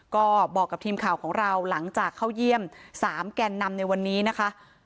ก็บอกกับทีมข่าวของเราหลังจากเข้าเยี่ยม๓แก่นนำในวันนี้นะคะ